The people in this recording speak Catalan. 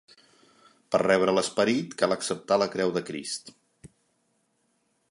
Per rebre l'Esperit cal acceptar la Creu de Crist.